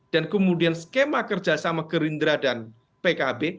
dan kemudian skema kerja sama gerindra dan pkb